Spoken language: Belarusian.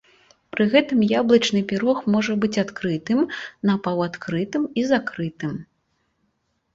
Пры гэтым яблычны пірог можа быць адкрытым, напаўадкрытым і закрытым.